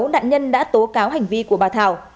bốn nạn nhân đã tố cáo hành vi của bà thảo